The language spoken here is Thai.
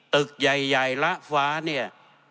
ตึกใหญ่ละฟ้าเนี่ย